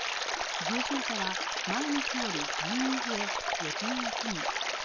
重症者は前の日より３人増え５１人。